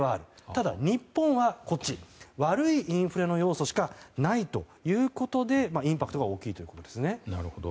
ただ、日本は悪いインフレの要素しかないということでインパクトが大きいということですね。